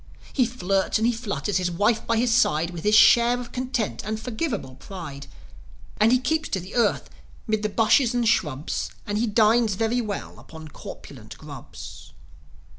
He flirts and he flutters, his wife by his side, With his share of content and forgiveable pride. And he keeps to the earth, 'mid the bushes and shrubs, And he dines very well upon corpulent grubs.